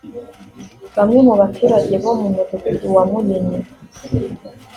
Bamwe mu baturage bo mu Mudugudu wa Munini